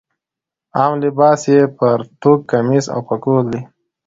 عام لباس یې پرتوګ کمیس او پکول دی.